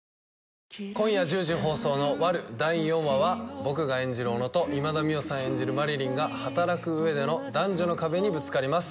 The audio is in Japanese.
今夜１０時放送の『悪女』第４話は僕が演じる小野と今田美桜さん演じる麻理鈴が働く上での男女の壁にぶつかります。